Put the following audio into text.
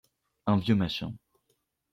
Un vieux machin.